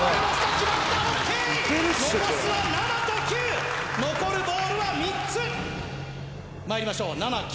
きまったＯＫ残すは７と９残るボールは３つまいりましょう７９